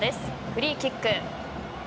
フリーキック。